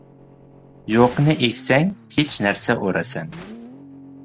• “Yo‘q”ni eksang, “hech narsa” o‘rasan.